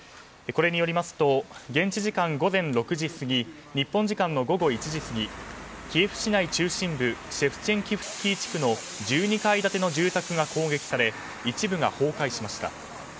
これによりますと現地時間午前６時過ぎ日本時間の午後１時過ぎキエフ市内中心部シェフチェンキフスキー地区の１２階建ての住宅が攻撃され一部が崩壊しました。